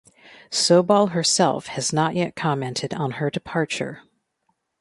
Sobol herself has not yet commented on her departure.